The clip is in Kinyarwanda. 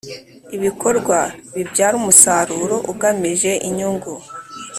Ibikorwa bibyara umusaruro ugamije inyungu.